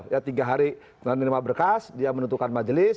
ya tiga hari menerima berkas dia menentukan majelis